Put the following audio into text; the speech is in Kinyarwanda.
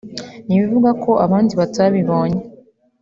ntibivuga ko abandi batabibonye